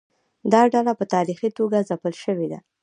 دا ډله په تاریخي توګه ځپل شوې ده.